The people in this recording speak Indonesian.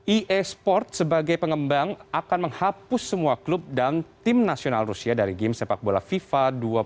esports sebagai pengembang akan menghapus semua klub dan tim nasional rusia dari game sepak bola fifa dua puluh tiga